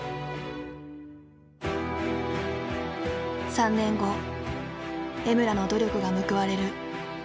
３年後江村の努力が報われる。